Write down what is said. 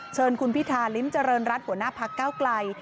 เชิญคุณพิธาริมเจริญรัฐหัวหน้าพักเก้าไกล